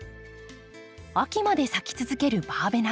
秋まで咲き続けるバーベナ。